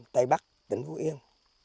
tây bắc tỉnh phú yên